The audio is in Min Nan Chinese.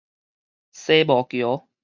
紗帽橋